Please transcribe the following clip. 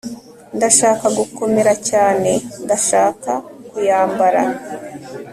ndashaka gukomera cyane, ndashaka kuyambara